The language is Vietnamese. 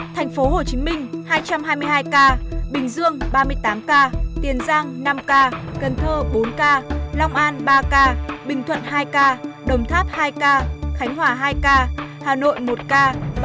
thành phố hồ chí minh hai trăm hai mươi hai ca bình dương ba mươi tám ca tiền giang năm ca cần thơ bốn ca long an ba ca bình thuận hai ca đồng tháp hai ca khánh hòa hai ca hà nội một ca ba